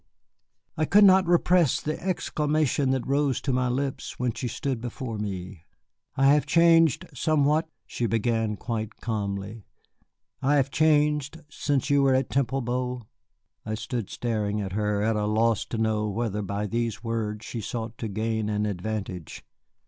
I could not repress the exclamation that rose to my lips when she stood before me. "I have changed somewhat," she began quite calmly; "I have changed since you were at Temple Bow." I stood staring at her, at a loss to know whether by these words she sought to gain an advantage.